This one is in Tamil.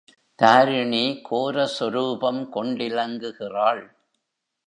தாரிணி கோர சொரூபம் கொண்டிலங்குகிறாள்.